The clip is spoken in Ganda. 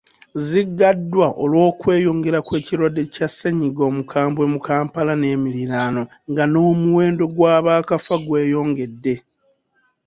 Ziggaddwa olw’okweyongera kw’ekirwadde kya ssennyiga omukambwemu Kampala n’emiriraano nga n’omuwendo gw’abaakafa gweyongedde.